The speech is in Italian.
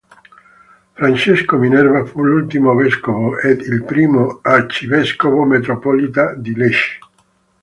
Francesco Minerva fu l'ultimo vescovo ed il primo arcivescovo metropolita di Lecce.